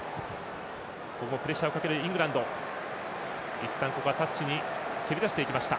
いったんタッチに蹴り出していきました。